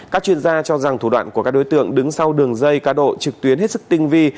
các chuyên gia cho rằng thủ đoạn của các đối tượng đứng sau đường dây cá độ trực tuyến hết sức tinh vi